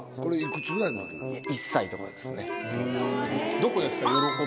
どこですか？